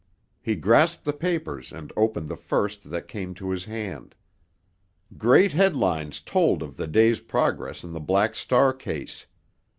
He grasped the papers and opened the first that came to his hand. Great headlines told of the day's progress in the Black Star case.